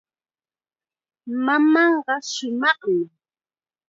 Mamaaqa shumaqmi.